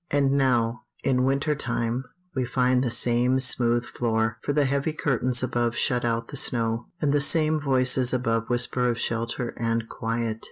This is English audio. And now, in winter time, we find the same smooth floor; for the heavy curtains above shut out the snow, and the same voices above whisper of shelter and quiet.